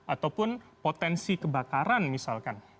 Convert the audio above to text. ataupun potensi kebakaran misalkan